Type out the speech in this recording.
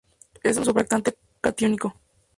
Es un surfactante catiónico.